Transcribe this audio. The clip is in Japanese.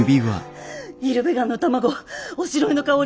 イルベガンの卵おしろいの香り。